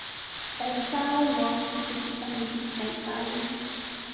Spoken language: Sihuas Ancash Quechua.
Taytaawan wawqi kuchitami pishtaykaayan.